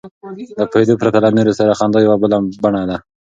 له پوهېدو پرته له نورو سره خندا یوه بله بڼه ده.